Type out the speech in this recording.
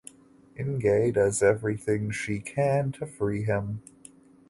Inge does everything she can to free him.